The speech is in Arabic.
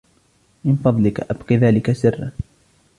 من فضلك أبقِ ذلك سراً.